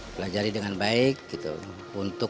pelajari dengan baik gitu